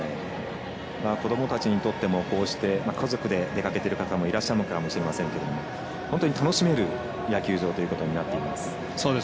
子どもたちにとってもこうして家族で出かける方もいらっしゃるかもしれませんが本当に楽しめる野球場ということになっています。